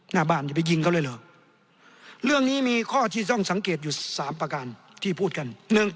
หน้าบ้านจะไปยิงเขาเลยเหรอเรื่องนี้มีข้อที่ต้องสังเกตอยู่๓ประการที่พูดกัน